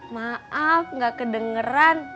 maaf gak kedengeran